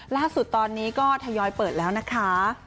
ล่าสุดตอนนี้ก็ทยอยเปิดแล้วนะคะ